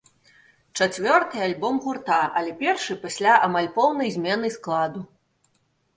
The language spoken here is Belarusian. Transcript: Чацвёрты альбом гурта, але першы пасля амаль поўнай змены складу.